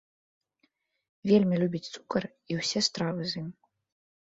Вельмі любіць цукар і ўсе стравы з ім.